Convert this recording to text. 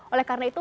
oleh karena itu